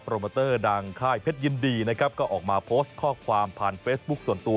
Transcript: โมเตอร์ดังค่ายเพชรยินดีนะครับก็ออกมาโพสต์ข้อความผ่านเฟซบุ๊คส่วนตัว